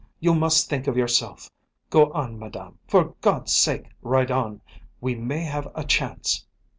You must think of yourself. Go on, Madame. For God's sake, ride on. We may have a chance."